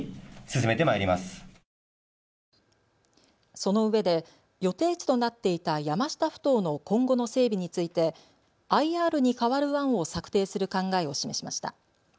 そのうえで予定地となっていた山下ふ頭の今後の整備についてＩＲに代わる案を策定する考えを示しました。